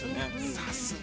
◆さすが。